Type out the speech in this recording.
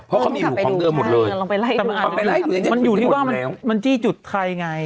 เพราะเขามีอยู่เดิมหมดเลยมันอยู่ที่ว่ามันมันจี้จุดใครไง